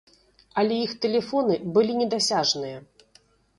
Але іх тэлефоны былі недасяжныя.